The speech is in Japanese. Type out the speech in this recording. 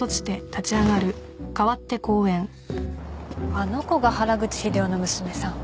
あの子が原口秀夫の娘さん。